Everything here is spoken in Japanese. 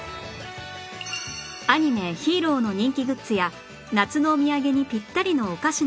アニメ・ヒーローの人気グッズや夏のお土産にぴったりのお菓子の他